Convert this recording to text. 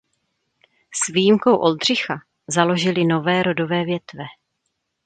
S výjimkou "Oldřicha" založili nové rodové větve.